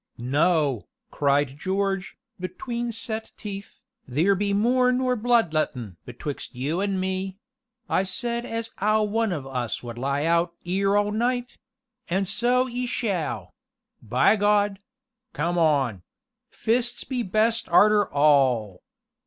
"No," cried George, between set teeth, "theer be more nor blood lettin' 'twixt you an' me I said as 'ow one on us would lie out 'ere all night an' so 'e shall by God! come on fists be best arter all!"